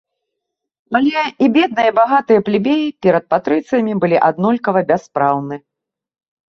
Але і бедныя, і багатыя плебеі перад патрыцыямі былі аднолькава бяспраўны.